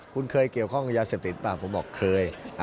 คุณเคยเกี่ยวข้องกับยาเสพติดป่ะผมบอกเคย